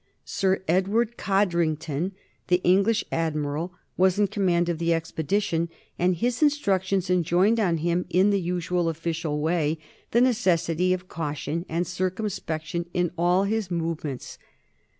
Sir Edward Codrington, the British Admiral, was in command of the expedition, and his instructions enjoined on him, in the usual official way, the necessity of caution and circumspection in all his movements.